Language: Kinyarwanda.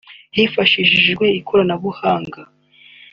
hifashishijwe ikoranabuhanga